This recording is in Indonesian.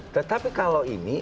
tetapi kalau ini